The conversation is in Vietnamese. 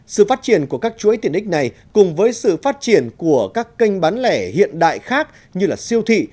sự phát triển của các chuỗi tiện ích này cùng với sự phát triển của các kênh bán lẻ hiện đại khác như siêu thị